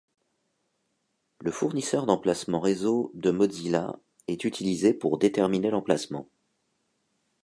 Le fournisseur d’emplacement réseau de Mozilla est utilisé pour déterminer l’emplacement.